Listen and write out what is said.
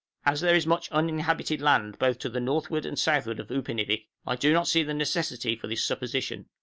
As there is much uninhabited land, both to the northward and southward of Upernivik, I do not see the necessity for this supposition.